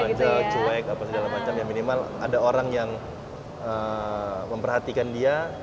diam aja cuek segala macam ya minimal ada orang yang memperhatikan dia